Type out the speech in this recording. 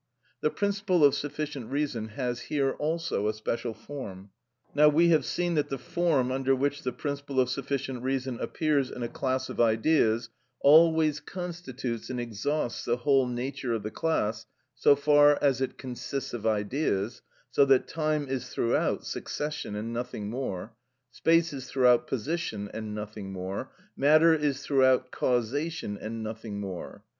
The principle of sufficient reason has here also a special form. Now we have seen that the form under which the principle of sufficient reason appears in a class of ideas always constitutes and exhausts the whole nature of the class, so far as it consists of ideas, so that time is throughout succession, and nothing more; space is throughout position, and nothing more; matter is throughout causation, and nothing more.